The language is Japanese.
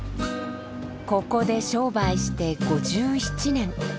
ここで商売して５７年。